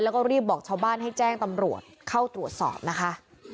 แล้วก็รีบบอกชาวบ้านให้แจ้งตำรวจเข้าตรวจสอบนะคะ